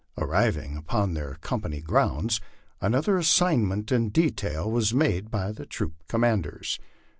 Arriving upon their company grounds, another as signment in detail was made by the troop commanders.